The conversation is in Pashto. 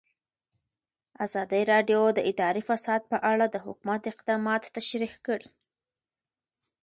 ازادي راډیو د اداري فساد په اړه د حکومت اقدامات تشریح کړي.